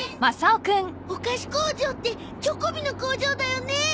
お菓子工場ってチョコビの工場だよね！